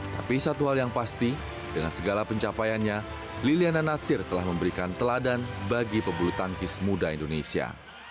tapi satu hal yang pasti dengan segala pencapaiannya liliana nasir telah memberikan teladan bagi pebulu tangkis muda indonesia